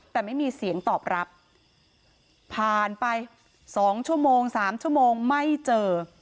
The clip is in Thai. แต่ไม่มีเสียงตอบรับผ่านไป๒ชั่วโมง๓ชั่วโมงไม่เจอ